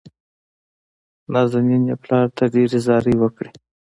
نازنين يې پلار ته ډېرې زارۍ وکړې.